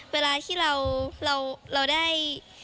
เวลาที่เราได้